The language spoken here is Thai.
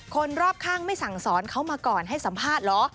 คนรอบข้างไม่สั่งสอนเขามาก่อนให้สัมภาษณ์เหรอ